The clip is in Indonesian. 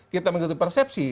kita mengikuti persepsi